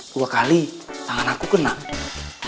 dua kali tangan aku kena